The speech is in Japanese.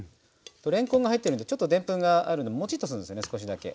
れんこんが入ってるんでちょっとでんぷんがあるんでもちっとするんですよね少しだけ。